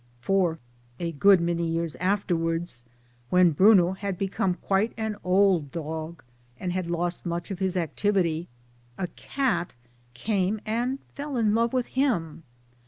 For, a good rriany years afterwards when Bruno had become quite an old dog and had lost much of his activity, a cat came and fell in love with him